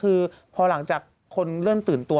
คือพอหลังจากคนเริ่มตื่นตัว